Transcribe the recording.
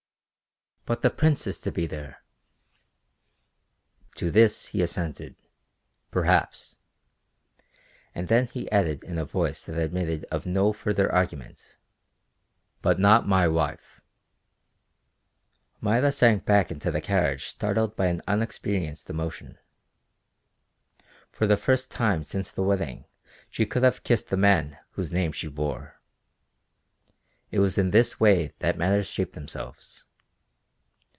"But the Prince is to be there!" To this he assented. "Perhaps." And then he added in a voice that admitted of no further argument, "But not my wife." Maida sank back in the carriage startled by an unexperienced emotion. For the first time since the wedding she could have kissed the man whose name she bore. It was in this way that matters shaped themselves.